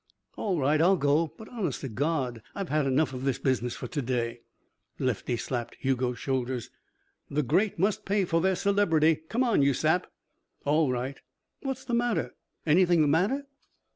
"All right. I'll go. But, honest to God, I've had enough of this business for to day." Lefty slapped Hugo's shoulders. "The great must pay for their celebrity. Come on, you sap." "All right." "What's the matter? Anything the matter?"